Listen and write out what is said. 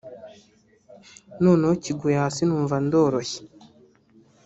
noneho kiguye hasi numva ndoroshye